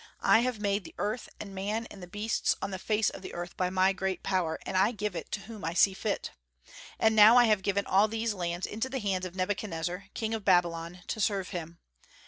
I have made the earth and man and the beasts on the face of the earth by my great power, and I give it to whom I see fit. And now I have given all these lands into the hands of Nebuchadnezzar, king of Babylon, to serve him.